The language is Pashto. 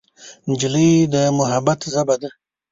نجلۍ د محبت ژبه ده.